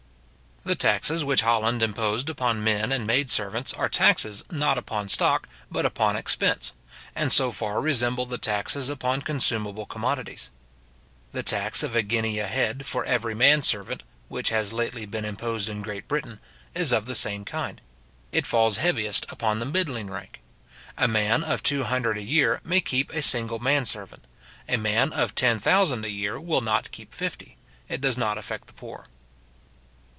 The taxes which in Holland are imposed upon men and maid servants, are taxes, not upon stock, but upon expense; and so far resemble the taxes upon consumable commodities. The tax of a guinea a head for every man servant, which has lately been imposed in Great Britain, is of the same kind. It falls heaviest upon the middling rank. A man of two hundred a year may keep a single man servant. A man of ten thousand a year will not keep fifty. It does not affect the poor.